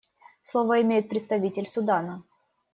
Слово имеет представитель Судана.